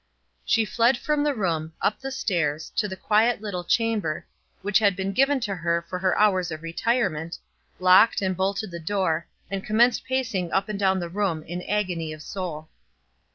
She fled from the room, up the stairs, to the quiet little chamber, which had been given to her for her hours of retirement, locked and bolted the door, and commenced pacing up and down the room in agony of soul.